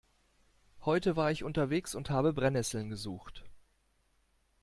Heute war ich unterwegs und habe Brennesseln gesucht.